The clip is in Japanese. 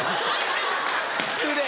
失礼！